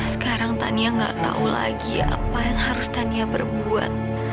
sekarang aku gak tahu lagi apa yang harus aku lakukan